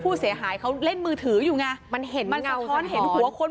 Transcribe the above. ผู้เสียหายเขาเล่นมือถืออยู่ไงมันเห็นมันสะท้อนเห็นหัวคน